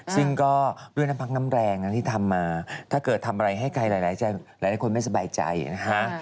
ซึ่งก็ด้วยน้ำพักน้ำแรงนะที่ทำมาถ้าเกิดทำอะไรให้ใครหลายคนไม่สบายใจนะฮะ